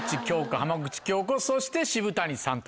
浜口京子そして渋谷さんと。